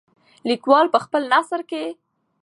لیکوال په خپل نثر کې.